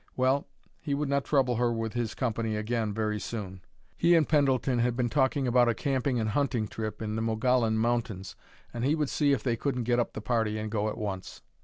Well, he would not trouble her with his company again very soon. He and Pendleton had been talking about a camping and hunting trip in the Mogollon Mountains, and he would see if they couldn't get up the party and go at once.